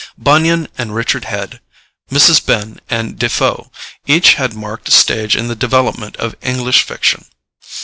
Bunyan and Richard Head, Mrs. Behn and Defoe each had marked a stage in the development of English fiction.